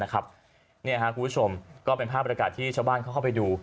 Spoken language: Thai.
คุณผู้ชมก็เป็นภาพบริการที่ชะบ้านเข้าไปดู